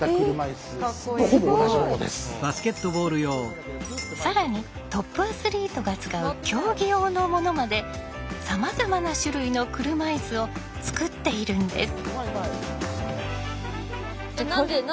これは更にトップアスリートが使う競技用のものまでさまざまな種類の車いすを作っているんです。